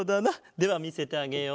ではみせてあげよう。